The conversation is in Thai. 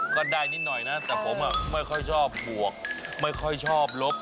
ก็ได้นิดหน่อยนะแต่ผมไม่ค่อยชอบบวกไม่ค่อยชอบลบ